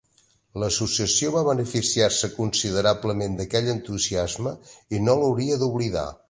L'Associació va beneficiar-se considerablement d'aquell entusiasme i no l'hauria d'oblidar.